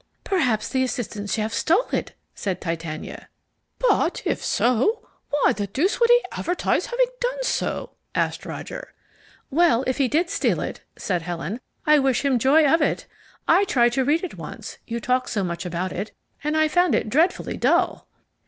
"Perhaps the assistant chef stole it?" said Titania. "But if so, why the deuce would he advertise having done so?" asked Roger. "Well, if he did steal it," said Helen, "I wish him joy of it. I tried to read it once, you talked so much about it, and I found it dreadfully dull."